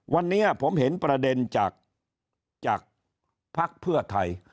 วันนี้ผมเห็นประเด็นจากภักดิ์เพื่อไทย